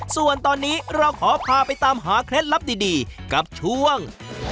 ส่วนตอนนี้เราขอพาไปตามหาเคล็ดลับดีกับช่วง